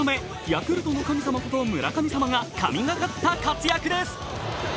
ヤクルトの神様こと村上様が神がかった活躍です。